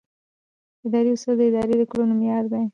اداري اصول د ادارې د کړنو معیار دي.